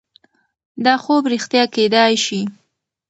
دا خوب رښتیا کیدای شي.